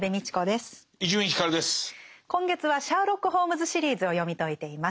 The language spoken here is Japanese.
今月は「シャーロック・ホームズ・シリーズ」を読み解いています。